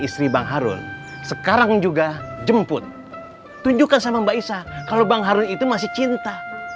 istri bang harun sekarang juga jemput tunjukkan sama mbak isa kalau bang harun itu masih cinta